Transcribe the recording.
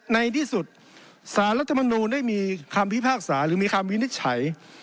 ในที่สุดสารรัฐมนูลได้มีคำพิพากษาหรือมีคำวินิจฉัย